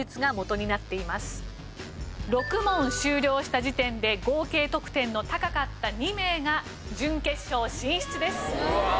６問終了した時点で合計得点の高かった２名が準決勝進出です。